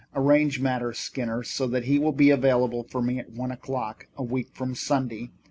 Arrange matters, Skinner, so that he will be available for me at one o'clock, a week from Sunday.